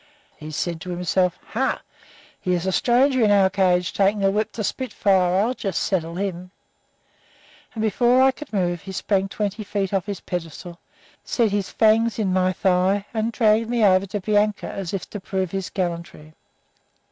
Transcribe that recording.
He said to himself: 'Hullo! Here's a stranger in our cage taking a whip to Spitfire. I'll just settle him.' And before I could move he sprang twenty feet off his pedestal, set his fangs in my thigh, and dragged me over to Bianca, as if to prove his gallantry.